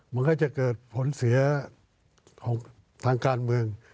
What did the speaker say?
มันก็จะเกิดผลเสียของทางการเมือง